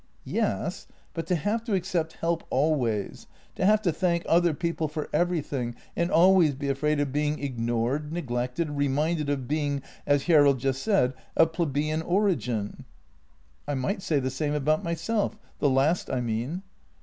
" Yes, but to have to accept help always, to have to thank other people for everything and always be afraid of being ignored, neglected, reminded of being — as Hjerrild just said — of plebeian origin." " I might say the same about myself — the last, I mean."